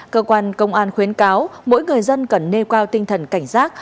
cơ quan công an khuyến cáo mỗi người dân cần nê qua tinh thần cảnh giác